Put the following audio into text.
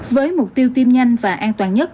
với mục tiêu tiêm nhanh và an toàn